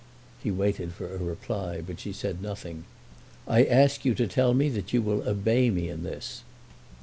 He waited for a reply, but she said nothing. "I ask you to tell me that you will obey me in this."